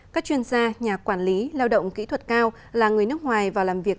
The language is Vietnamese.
các chuyên gia nhà quản lý lao động kỹ thuật cao là người nước ngoài vào làm việc